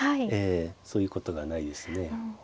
そういうことがないですね。